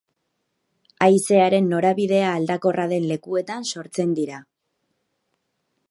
Haizearen norabidea aldakorra den lekuetan sortzen dira.